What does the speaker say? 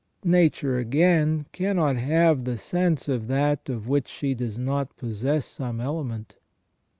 Nature, again, cannot have the sense of that of which she does not possess some element.